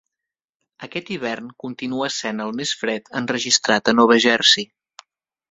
Aquest hivern continua sent el més fred enregistrat a Nova Jersey.